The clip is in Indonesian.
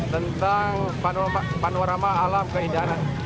tentang panorama alam keindahan di situ pondok